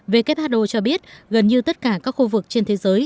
who cho biết gần như tất cả các khu vực trên thế giới